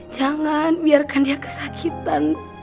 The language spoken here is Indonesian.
jangan biarkan dia kesakitan